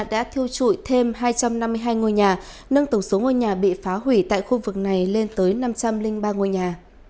đã thiêu trụi thêm hai trăm năm mươi hai ngôi nhà nâng tổng số ngôi nhà bị phá hủy tại khu vực này lên tới năm trăm linh ba ngôi nhà